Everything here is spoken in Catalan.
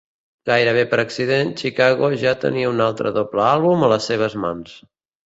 Gairebé per accident, Chicago ja tenia un altre doble àlbum a les seves mans.